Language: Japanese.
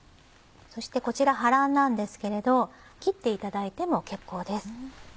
そしてこちら葉らんなんですけれど切っていただいても結構です。